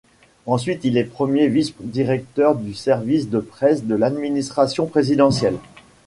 Ensuite il est premier vice-directeur du service de presse de l'administration présidentielle.